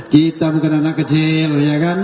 kita bukan anak kecil